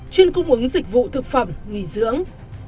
chuyên cung ứng dịch vụ thực phẩm nghỉ dưỡng